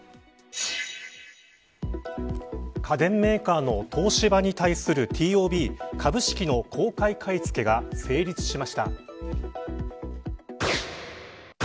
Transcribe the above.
家電メーカーの東芝に対するＴＯＢ、株式の公開買い付けが成立しました。